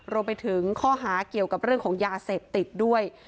รวมไปถึงข้อหาเกี่ยวกับเรื่องของยาเสพติดด้วย